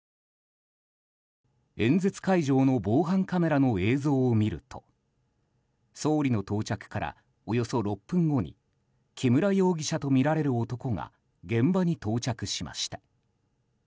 演説会場の防犯カメラの映像を見ると総理の到着からおよそ６分後に木村容疑者とみられる男が現場に到着しました。